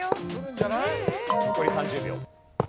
残り３０秒。